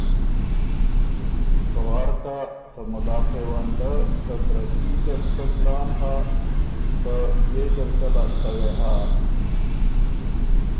که وار کَۀ، ته مُلا پېونده ته بره کي ځرکه کُلان هۀ که بيې ځرکۀ لاسته وې هۀ۔